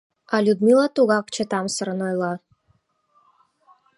А Людмила тугак чытамсырын ойла: